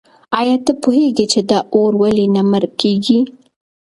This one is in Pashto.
آیا ته پوهېږې چې دا اور ولې نه مړ کېږي؟